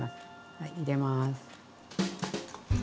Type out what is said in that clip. はい入れます。